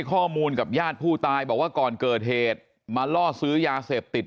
ข้อมูลกับญาติผู้ตายบอกว่าก่อนเกิดเหตุมาล่อซื้อยาเสพติด